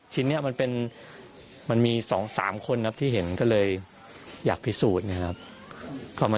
คุณเลยพัฒนาชาติขอบคุณครับ